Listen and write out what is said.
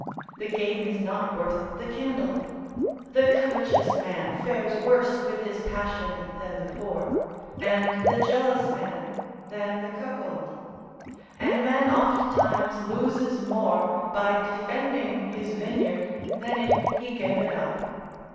The game is not worth the candle. The covetous man fares worse with his passion than the poor, and the jealous man than the cuckold; and a man ofttimes loses more by defending his vineyard than if he gave it up.